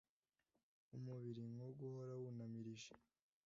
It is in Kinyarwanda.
umubiri nko guhora wunamirije